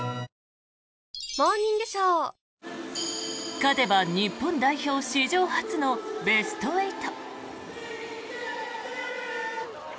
勝てば日本代表史上初のベスト８。